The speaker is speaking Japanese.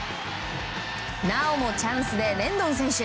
なおもチャンスでレンドン選手。